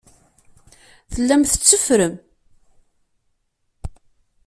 Tellam tetteffrem.